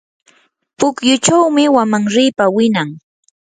pukyuchawmi wamanripa winan.